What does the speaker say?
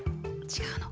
違うの。